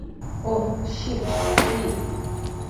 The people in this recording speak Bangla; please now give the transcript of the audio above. ওহ শিট - কি?